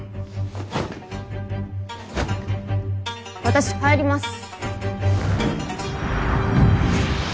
私入ります。